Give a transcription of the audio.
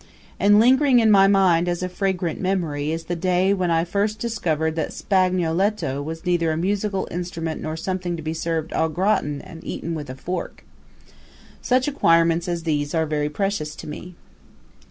And lingering in my mind as a fragrant memory is the day when I first discovered that Spagnoletto was neither a musical instrument nor something to be served au gratin and eaten with a fork. Such acquirements as these are very precious to me.